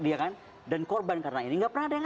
dia kan dan korban karena ini nggak pernah ada yang